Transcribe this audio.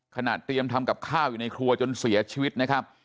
เตรียมทำกับข้าวอยู่ในครัวจนเสียชีวิตนะครับ